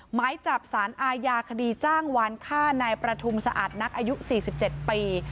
หมายจับสารอาญาคดีจ้างวานฆ่านายประทุมสะอาดนักอายุ๔๗ปี